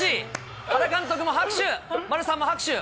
原監督も拍手、丸さんも拍手。